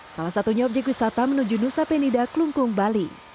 salah satunya objek wisata menuju nusa penida klungkung bali